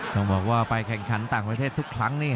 ต้องบอกว่าไปแข่งขันต่างประเทศทุกครั้งนี่